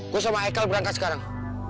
gua sama ekel berangkat sekarang